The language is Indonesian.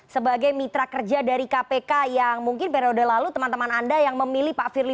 sebagai mitra kerja dari kpk yang mungkin periode lalu teman teman anda yang memilih pak firly